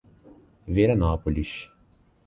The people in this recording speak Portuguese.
Veranópolis